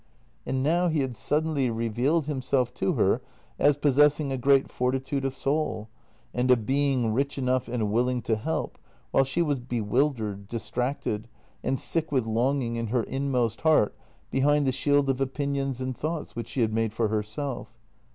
And now he had suddenly revealed himself to her as possessing a great fortitude of soul, and a being rich enough and willing to help, while she was bewildered, distracted, and sick with longing in her inmost heart behind the shield of opinions and thoughts which she had made for herself.